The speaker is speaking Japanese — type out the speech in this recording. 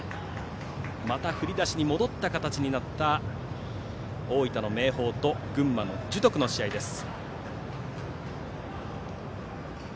また振り出しに戻った形になった大分の明豊と群馬の樹徳の試合です。